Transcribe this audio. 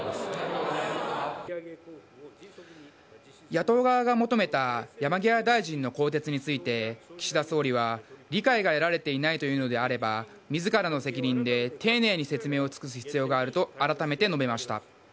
野党側が求めた山際大臣の更迭について岸田総理は理解が得られていないというのであれば自らの責任で丁寧に説明を尽くす必要があるとあらためて述べました。